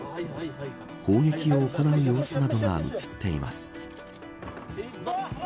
砲撃を行う様子などが映っています。